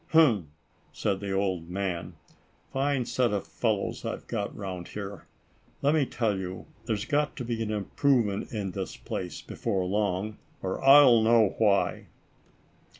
" Hum !" said the old man, " fine set of fellows I've got 'round here. Le'me tell you, there's got to be an improvement in this place before long, or I'll know why."